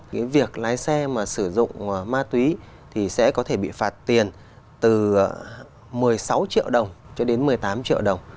cái việc lái xe mà sử dụng ma túy thì sẽ có thể bị phạt tiền từ một mươi sáu triệu đồng cho đến một mươi tám triệu đồng